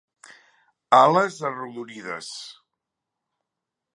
Ales arrodonides.